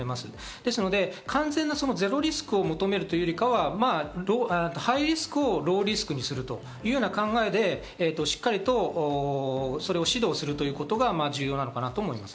ですので完全なゼロリスクを求めるというよりは、ハイリスクをローリスクにするという考えで、しっかりと指導するということが重要かなと思います。